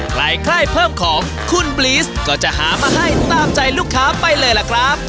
ใครค่ายเพิ่มของคุณบลีสก็จะหามาให้ตามใจลูกค้าไปเลยล่ะครับ